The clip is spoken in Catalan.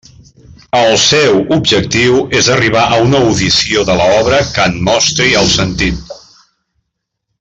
El seu objectiu és arribar a una audició de l'obra que en mostri el sentit.